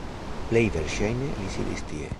Plej verŝajne li sidis tie